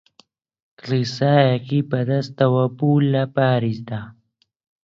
کلیسایەکی بە دەستەوە بوو لە پاریسدا